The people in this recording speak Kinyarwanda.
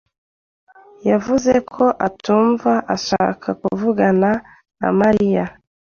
yavuze ko atumva ashaka kuvugana na Mariya.